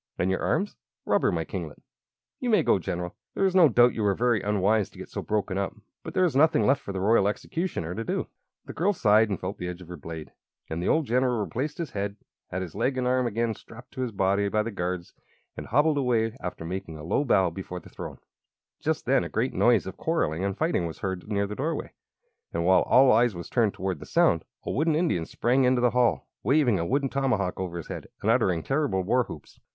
"And your arms?" "Rubber, my kinglet." "You may go, General. There is no doubt you were very unwise to get so broken up; but there is nothing left for the Royal Executioner to do." The girl sighed and felt the edge of her blade; and the old general replaced his head, had his leg and arm again strapped to his body by the guards, and hobbled away after making a low bow before the throne. Just then a great noise of quarrelling and fighting was heard near the doorway, and while all eyes were turned toward the sound, a wooden Indian sprang into the hall, waving a wooden tomahawk over his head, and uttering terrible war whoops.